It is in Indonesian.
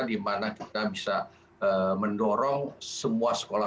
di mana kita bisa mendorong semua sekolah sekolah